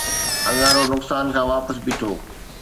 اڱارو نقصان کان واپس بيٺو